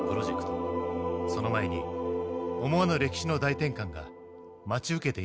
その前に思わぬ歴史の大転換が待ち受けていたからです。